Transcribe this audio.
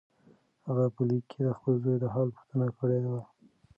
هغه په لیک کې د خپل زوی د حال پوښتنه کړې وه.